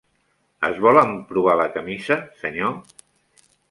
Es vol emprovar la camisa, senyor?